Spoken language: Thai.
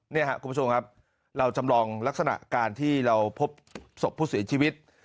นี่ครับคุณผู้ชมครับเราจำลองลักษณะการที่เราพบศพผู้เสียชีวิต